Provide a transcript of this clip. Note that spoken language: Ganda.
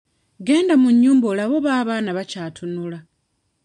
Genda mu nnyumba olabe oba abaana bakyatunula.